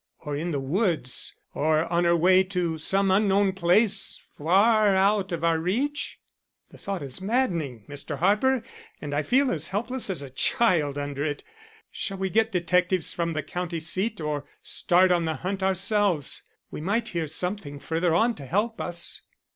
Or in the woods, or on her way to some unknown place far out of our reach? The thought is maddening, Mr. Harper, and I feel as helpless as a child under it. Shall we get detectives from the county seat, or start on the hunt ourselves? We might hear something further on to help us."